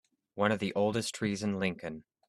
One of the oldest trees in Lincoln.